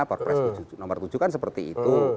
perpres nomor tujuh kan seperti itu